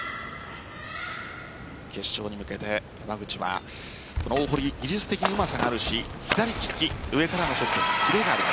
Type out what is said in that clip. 決勝に向けて、山口は大堀、技術的にうまさがあるし左利き上からのショット、キレがある。